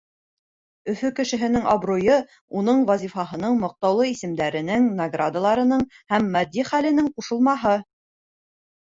Өфө кешеһенең абруйы уның вазифаһының, маҡтаулы исемдәренең, наградаларының һәм матди хәленең ҡушылмаһы.